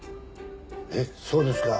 えっそうですか？